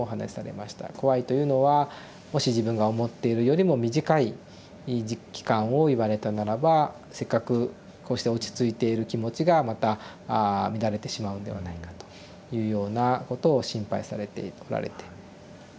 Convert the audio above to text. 怖いというのはもし自分が思っているよりも短い期間を言われたならばせっかくこうして落ち着いている気持ちがまた乱れてしまうんではないかというようなことを心配されておられて。